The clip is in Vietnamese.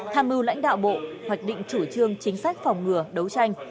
tham mưu lãnh đạo bộ hoạch định chủ trương chính sách phòng ngừa đấu tranh